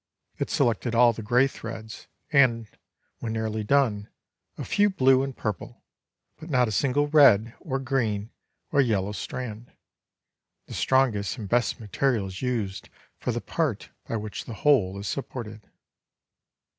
It selected all the gray threads, and, when nearly done, a few blue and purple, but not a single red, or green or yellow strand. The strongest and best material is used for the part by which the whole is supported.